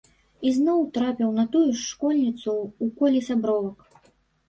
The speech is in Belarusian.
І зноў трапіў на тую ж школьніцу ў коле сябровак.